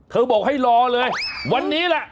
เธอบอกให้รอเลยวันนี้ล่ะ